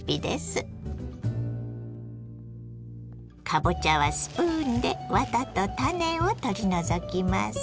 かぼちゃはスプーンでワタと種を取り除きます。